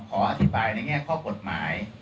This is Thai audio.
ขออธิบายในแง่ข้อกฎหมาย